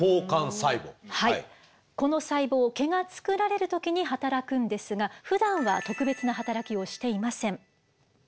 この細胞毛が作られる時に働くんですがふだんは特別な働きをしていません。